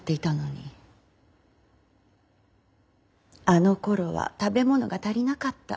あのころは食べ物が足りなかった。